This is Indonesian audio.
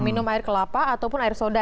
minum air kelapa ataupun air soda